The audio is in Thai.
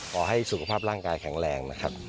ขอให้สุขภาพร่างกายแข็งแรงนะครับ